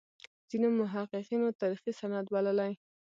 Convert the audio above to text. ځینو محققینو تاریخي سند بللی.